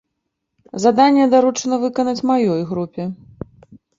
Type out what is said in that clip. Заданне даручана выканаць маёй групе.